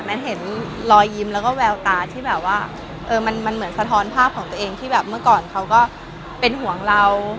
เห็นรอยยิ้มแล้วก็แววตาที่แบบว่ามันเหมือนสะท้อนภาพของตัวเองที่แบบเมื่อก่อนเขาก็เป็นห่วงเรา